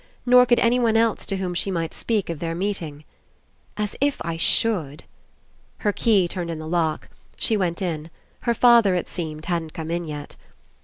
Nor could anyone else to whom she might speak of their meeting. "As if I should!" Her key turned In the lock. She went in. Her father, it seemed, hadn't come in yet.